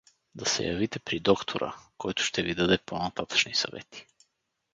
Да се явите при доктора, който ще ви даде по-нататъшни съвети.